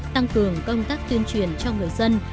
tăng cường công tác tuyên truyền cho người dân